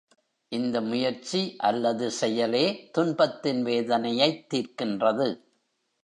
இந்த முயற்சி அல்லது செயலே துன்பத்தின் வேதனையைத் தீர்க்கின்றது.